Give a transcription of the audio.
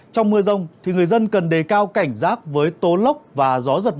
trong mưa rông thì người dân cần đề cao cảnh rác với tố lốc và gió giật bóng